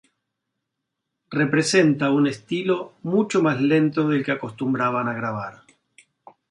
Representa un estilo mucho más lento del que acostumbraban a grabar.